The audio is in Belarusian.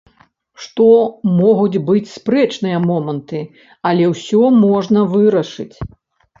Што могуць быць спрэчныя моманты, але ўсё можна вырашыць.